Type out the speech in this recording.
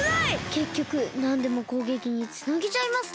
けっきょくなんでもこうげきにつなげちゃいますね。